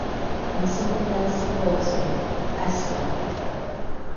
And something else supports me, Esther.